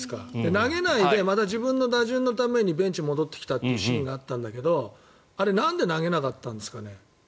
投げないでまた自分の打順のためにベンチに戻ってきたというシーンがあったんだけどあれはなんで投げなかったんですかね？